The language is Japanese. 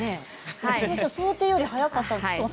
想定より早かったです。